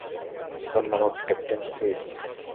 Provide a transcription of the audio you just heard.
ধন্যবাদ, captain whip.